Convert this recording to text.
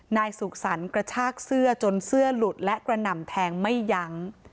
นายสุขสรรค์กระชากเสื้อจนเสื้อหลุดและกระหน่ำแทงไม่ยั้ง